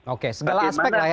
oke segala aspek lah ya pak ya